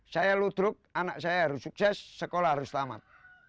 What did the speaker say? saya ludruk anak saya harus sukses sekolah harus selamat